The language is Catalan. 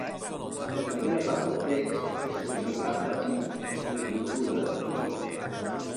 La primera part del text es consagrà a la química, ben coneguda, dels halògens.